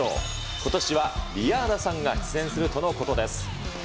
ことしは、リアーナさんが出演するとのことです。